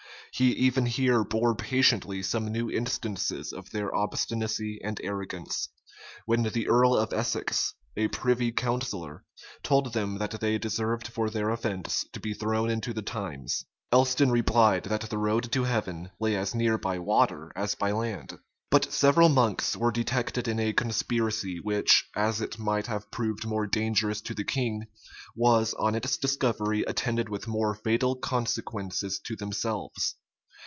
[] He even here bore patiently some new instances of their obstinacy and arrogance: when the earl of Essex, a privy councillor, told them that they deserved for their offence to be thrown into the Thames, Elston replied that the road to heaven lay as near by water as by land.[] * Strype, vol. i. p. 167. Collier, vol. ii. p. 86. Burnet, vol. i. p. 151. Stowe, p. 562 But several monks were detected in a conspiracy, which, as it might have proved more dangerous to the king, was on its discovery attended with more fatal consequences to themselves.